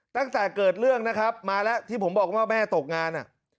ตั้งแต่เกิดเรื่องนะครับมาแล้วที่ผมบอกว่าแม่ตกงาน